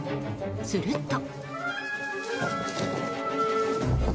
すると。